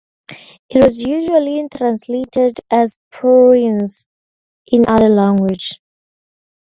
It was usually translated as prince in other languages.